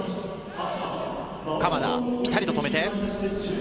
鎌田、ピタリと止めて。